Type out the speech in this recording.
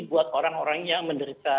buat orang orang yang menderita